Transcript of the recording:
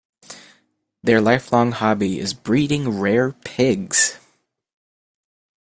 Their lifelong hobby is breeding rare pigs.